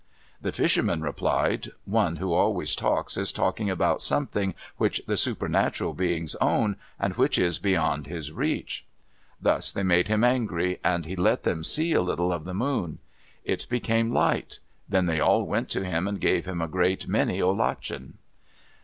The fishermen replied, "One who always talks is talking about something which the supernatural beings own, and which is beyond his reach." Thus they made him angry, and he let them see a little of the moon. It became light. Then they all went to him and gave him a great many olachen.